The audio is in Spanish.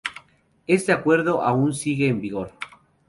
Este acuerdo aún sigue en vigor.